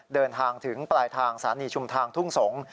เดินทางถึงปลายทางสถานีชุมทางทุ่งสงศ์